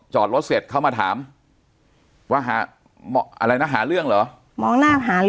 จอดรถเสร็จเขามาถามว่าหาอะไรนะหาเรื่องเหรอมองหน้าหาหรือ